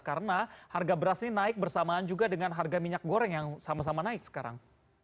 karena harga beras ini naik bersamaan juga dengan harga minyak goreng yang sama sama naik sekarang